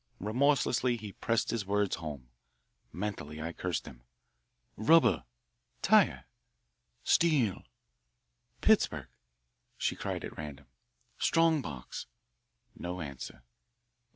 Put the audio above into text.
Remorselessly he pressed his words home. Mentally I cursed him. "Rubber." "Tire." "Steel." "Pittsburg," she cried at random. "Strong box," No answer.